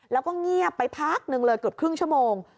แล้วก็เงียบไปพักหนึ่งเลยเกือบครึ่งชั่วโมง